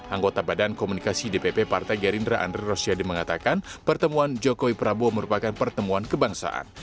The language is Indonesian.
anggota badan komunikasi dpp partai gerindra andre rosiade mengatakan pertemuan jokowi prabowo merupakan pertemuan kebangsaan